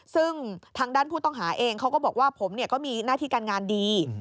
ซึ่งทางด้านผู้ต้องหาเองเขาก็บอกว่าผมก็มีหน้าที่การงานดี